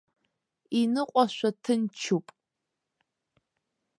Иныҟәашәа ҭынчуп.